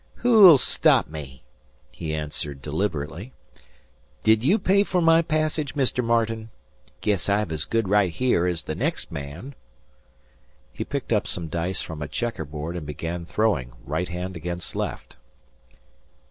"Who'll stop me?" he answered, deliberately. "Did you pay for my passage, Mister Martin? 'Guess I've as good right here as the next man." He picked up some dice from a checkerboard and began throwing, right hand against left.